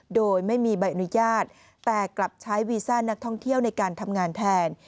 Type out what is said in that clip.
โดยไม่มีใบอนุญาตแต่กลับใช้วีซ่านักท่องเที่ยวในการทำงานแทน